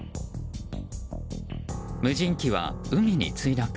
無人機は海に墜落。